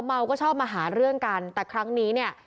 เมาก็ชอบมาหาเรื่องกันแต่ครั้งนี้เนี่ย